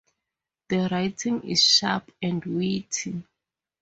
The writing is sharp and witty.